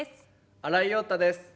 新井庸太です。